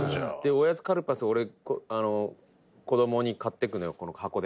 おやつカルパスを、俺子供に買っていくのよ、箱で。